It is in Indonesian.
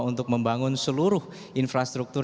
untuk membangun seluruh infrastruktur